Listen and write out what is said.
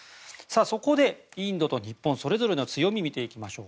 そこで、インドと日本それぞれの強み見ていきましょう。